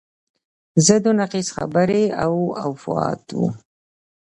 ضد و نقیض خبرې او افواهات وو.